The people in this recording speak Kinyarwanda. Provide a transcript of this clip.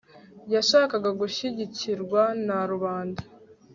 yashakaga gushyigikirwa na rubanda